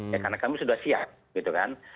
ya karena kami sudah siap gitu kan